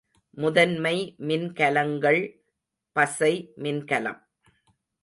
முதன்மை மின்கலங்கள் பசை மின்கலம்.